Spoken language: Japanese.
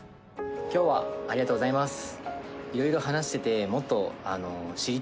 今日はありがとうございます。